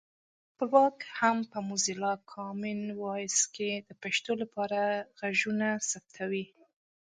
خپلواک هم په موزیلا کامن وایس کې د پښتو لپاره غږونه ثبتوي